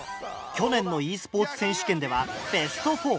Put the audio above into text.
去年のｅスポーツ選手権ではベスト４。